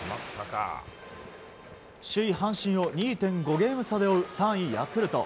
首位、阪神を２．５ゲーム差で追う３位、ヤクルト。